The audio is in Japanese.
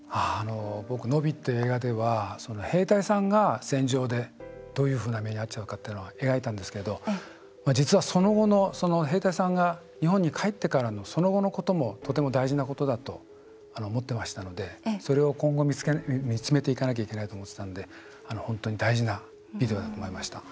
僕、「野火」って映画では兵隊さんが戦場でどういうふうな目に遭っちゃうかっていうのは描いたんですけど実は、その後の兵隊さんが日本に帰ってからのその後のこともとても大事なことだと思ってましたので、それを今後見つめていかなきゃいけないと思っていたので本当に大事なビデオだと思いました。